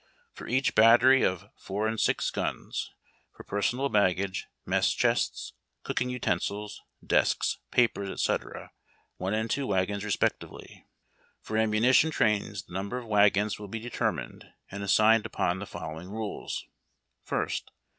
For each battery of 4 and G guns — for personal baggage, mess chests, cooking utensils, desks, papers, &c., 1 and 2 wagons respectively. For annaunition trains the number of wagons will be determined and as signed upon the following rules: 1st.